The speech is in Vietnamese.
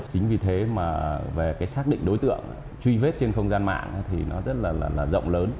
chính vì thế mà về cái xác định đối tượng truy vết trên không gian mạng thì nó rất là rộng lớn